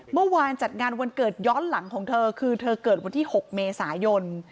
เมื่อวานจัดงานวันเกิดย้อนหลังของเธอคือเธอเกิดวันที่๖เมษายน